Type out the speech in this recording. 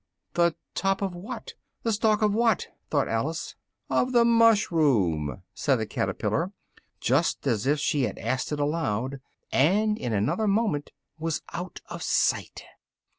"The top of what? the stalk of what?" thought Alice. "Of the mushroom," said the caterpillar, just as if she had asked it aloud, and in another moment was out of sight.